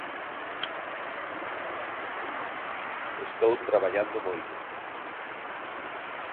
Estou traballando moito.